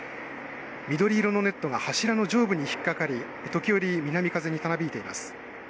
緑色のネットが柱の上部に引っ掛かり、時折、南風にたなびいています。